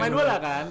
pemain bola kan